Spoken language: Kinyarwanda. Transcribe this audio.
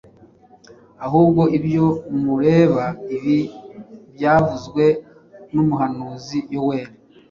ahubwo ibyo mureba ibi byavuzwe n’umuhanuzi Yoweli,